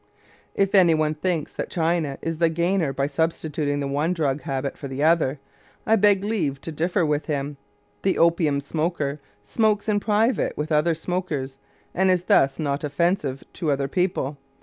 If any one thinks that China is the gainer by substituting the one drug habit for the other, I beg leave to differ with him. The opium smoker smokes in private with other smokers, and is thus not offensive to other people.